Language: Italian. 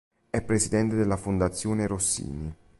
È presidente della Fondazione Rossini.